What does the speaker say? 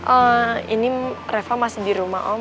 eh ini rafa masih di rumah om